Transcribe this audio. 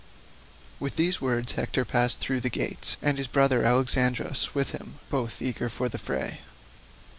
With these words Hector passed through the gates, and his brother Alexandrus with him, both eager for the fray.